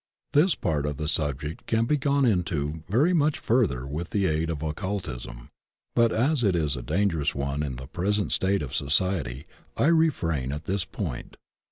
This part of the subject can be gone into very much further with the aid of occultism, but as it is a dangerous one in the present state of society I refrain at this point.